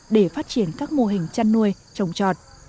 để phát triển các mô hình chăn nuôi trồng trọt